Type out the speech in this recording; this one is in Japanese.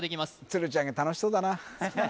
鶴ちゃんが楽しそうだな